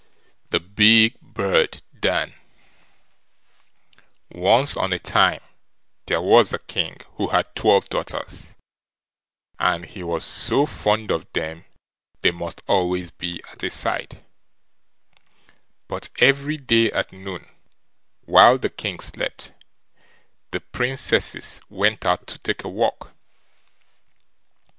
THE BIG BIRD DAN Once on a time there was a king who had twelve daughters, and he was so fond of them they must always be at his side; but every day at noon, while the king slept, the Princesses went out to take a walk.